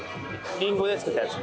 リンゴで作ったやつ？